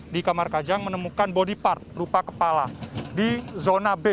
di kamar kajang menemukan body part rupa kepala di zona b